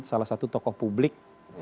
salah satu tokoh publik